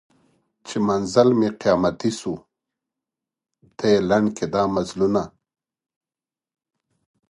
چي منزل مي قیامتي سو ته یې لنډ کي دا مزلونه